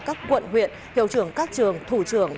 các quận huyện hiệu trưởng các trường thủ trưởng